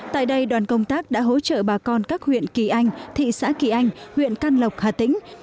tại đây đoàn công tác đã hỗ trợ bà con các huyện kỳ anh thị xã kỳ anh huyện can lộc hà tĩnh